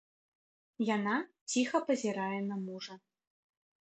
Яна ціха пазірае на мужа.